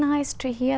được ở đây